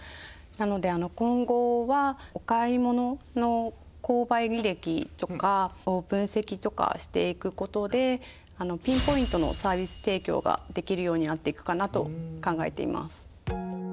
なので今後はお買い物の購買履歴とかを分析とかしていくことでピンポイントのサービス提供ができるようになっていくかなと考えています。